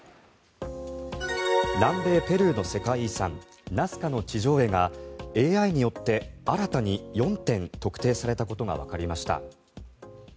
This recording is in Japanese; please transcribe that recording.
南米ペルーの世界遺産ナスカの地上絵がＡＩによって新たに４点特定されたことがわかりました。